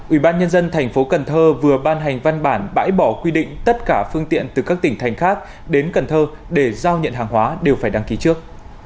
ủy ban nhân dân thành phố cần thơ vừa ban hành văn bản bãi bỏ quy định tất cả phương tiện từ các tỉnh thành khác đến cần thơ để giao nhận hàng hóa đều phải đăng ký trước